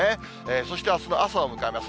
そしてあすの朝を迎えます。